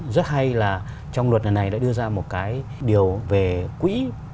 rất hay là trong luật lần này đã đưa ra một cái điều về quỹ